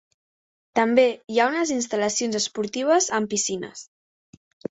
També hi ha unes instal·lacions esportives amb piscines.